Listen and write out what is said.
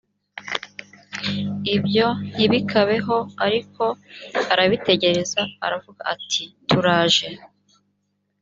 ibyo ntibikabeho ariko arabitegereza aravuga ati turaje